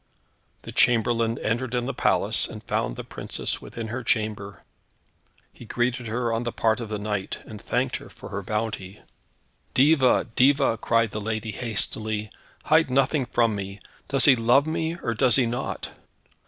The chamberlain entered in the palace and found the princess within her chamber. He greeted her on the part of the knight, and thanked her for her bounty. "Diva, diva," cried the lady hastily, "hide nothing from me; does he love me, or does he not?"